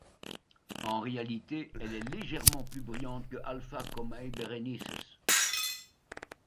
En réalité, elle est légèrement plus brillante que α Comae Berenices.